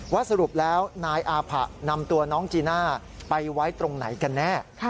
สรุปแล้วนายอาผะนำตัวน้องจีน่าไปไว้ตรงไหนกันแน่